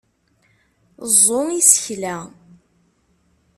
Ẓẓu isekla!